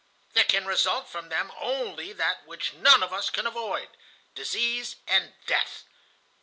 There can result from them only that which none of us can avoid,—disease and death.